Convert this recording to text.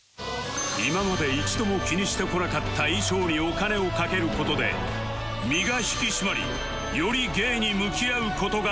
今まで一度も気にしてこなかった衣装にお金をかける事で身が引き締まりより芸に向き合う事ができた